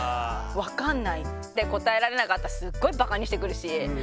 「分かんない」って答えられなかったらすごいバカにしてくるし。